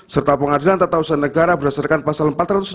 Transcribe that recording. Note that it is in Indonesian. serta pengadilan tata usaha negara berdasarkan pasal empat ratus enam puluh